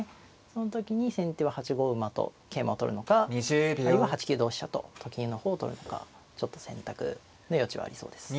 その時に先手は８五馬と桂馬を取るのかあるいは８九同飛車とと金の方を取るのかちょっと選択の余地はありそうです。